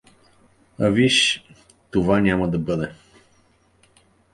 — А, виж, това няма да бъде.